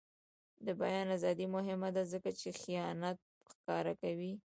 د بیان ازادي مهمه ده ځکه چې خیانت ښکاره کوي.